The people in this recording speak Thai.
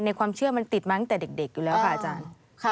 ความเชื่อมันติดมาตั้งแต่เด็กอยู่แล้วค่ะอาจารย์